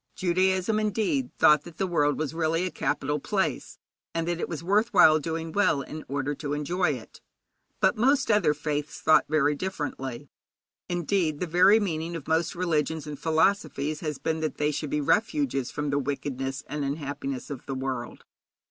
Judaism, indeed, thought that the world was really a capital place, and that it was worth while doing well in order to enjoy it. But most other faiths thought very differently. Indeed, the very meaning of most religions and philosophies has been that they should be refuges from the wickedness and unhappiness of the world.